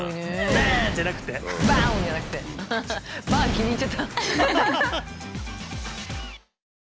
気に入っちゃった。